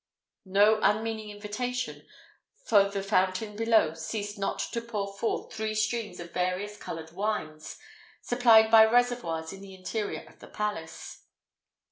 No unmeaning invitation, for the fountain below ceased not to pour forth three streams of various coloured wines, supplied by reservoirs in the interior of the palace.